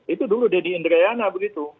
itu dulu deddy indrayana begitu